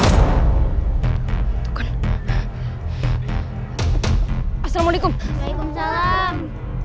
jangan jangan maling itu nyuri gelang sultan